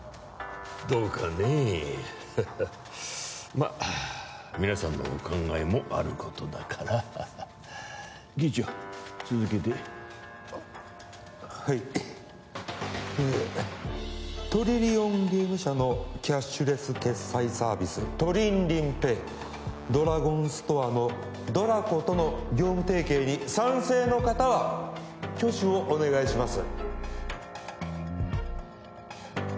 まあ皆さんのお考えもあることだから議長続けてあっはいええトリリオンゲーム社のキャッシュレス決済サービストリンリンＰａｙドラゴンストアのＤＲＡＣＯとの業務提携に賛成の方は挙手をお願いします